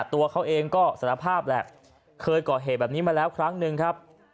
ตัวเขาเองก็สารภาพแหละเคยก่อเหตุแบบนี้มาแล้วครั้งหนึ่งครับ